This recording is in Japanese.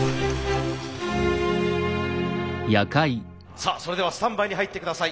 さあそれではスタンバイに入って下さい。